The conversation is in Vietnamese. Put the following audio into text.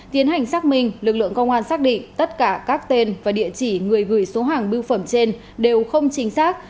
tiến hành xác minh lực lượng công an xác định tất cả các tên và địa chỉ người gửi số hàng bưu phẩm trên đều không chính xác